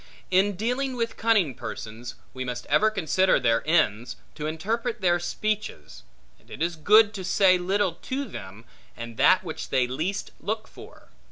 In dealing with cunning persons, we must ever consider their ends, to interpret their speeches; and it is good to say little to them, and that which they least look for.